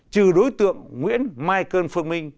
trừ đối tượng nguyễn michael phương minh